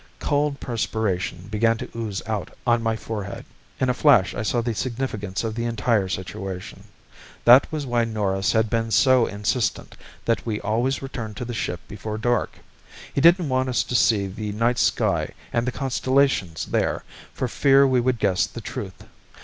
Cold perspiration began to ooze out on my forehead. In a flash I saw the significance of the entire situation. That was why Norris had been so insistent that we always return to the ship before dark. He didn't want us to see the night sky and the constellations there for fear we would guess the truth.